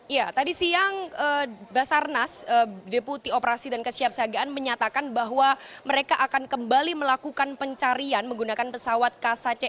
iya tadi siang basarnas deputi operasi dan kesiapsagaan menyatakan bahwa mereka akan kembali melakukan pencarian menggunakan pesawat kasa cn dua ratus tiga puluh lima